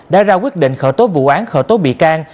đã ra quyết định khởi tố vụ án khởi tố bị can